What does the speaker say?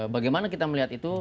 bagaimana kita melihat itu